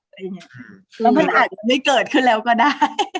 แล้วมันอาจจะไม่เกิดขึ้นแล้วก็ได้